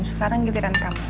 sekarang giliran kamu